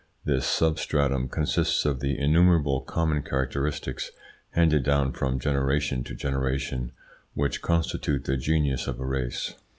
This substratum consists of the innumerable common characteristics handed down from generation to generation, which constitute the genius of a race.